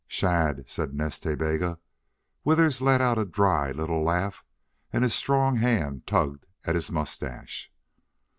"Shadd," said Nas Ta Bega. Withers let out a dry little laugh and his strong hand tugged at his mustache.